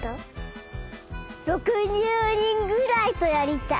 ６０にんぐらいとやりたい。